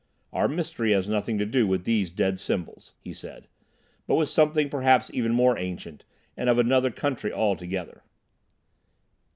"Our mystery has nothing to do with these dead symbols," he said, "but with something perhaps even more ancient, and of another country altogether."